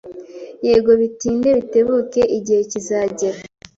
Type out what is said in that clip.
Yego bitinde bitebuke igihe kizagera